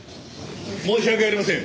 申し訳ありません。